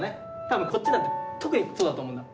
多分こっちだと特にそうだと思うんだ。